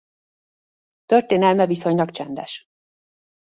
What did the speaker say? Történelme viszonylag csendes.